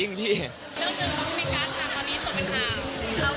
เรื่องหนึ่งพี่กัลคราวนี้ตกเป็นข่าว